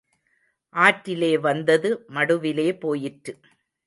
ஆற்றிலே வந்தது மடுவிலே போயிற்று.